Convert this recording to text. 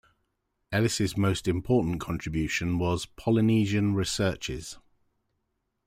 Ellis' most important contribution was "Polynesian Researches".